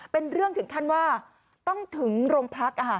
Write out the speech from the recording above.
เป็นเรื่องถึงขั้นว่าต้องถึงโรงพัก